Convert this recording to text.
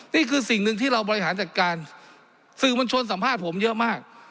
นี่คือสิ่งหนึ่งที่เราบริหารจัดการสื่อมวลชนสัมภาษณ์ผมเยอะมาก